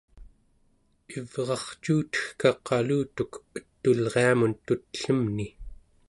ivrarcuutegka qalutuk et'ulriamun tut'ellemni